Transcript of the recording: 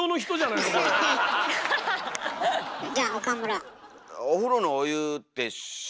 じゃあ岡村。